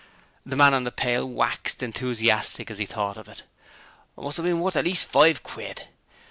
The man on the pail waxed enthusiastic as he thought of it. 'Must 'ave been worth at least five quid.